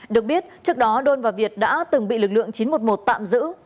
được biết trước đó đôn và việt đã từng bị lực lượng chín trăm một mươi một tạm giữ